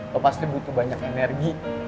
kau pasti butuh banyak energi